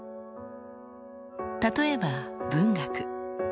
例えば文学。